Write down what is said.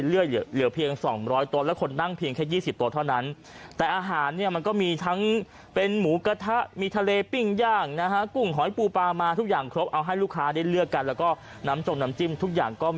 เหลือเพียงสองร้อยกว่าสองร้อยต้องและคนนั่งเพียงแค่๒๐ตัวเท่านั้น